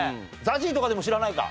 ＺＡＺＹとかでも知らないか？